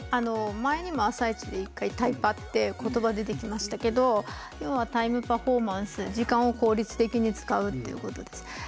前にも「あさイチ」で１回タイパという言葉出てきますけどタイムパフォーマンス時間を効率的に使うということです。